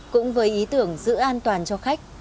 cũng với ý tưởng giữ an toàn cho khách